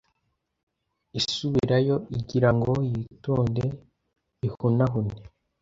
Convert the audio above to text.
Isubirayo igira ngo yitonde ihunahune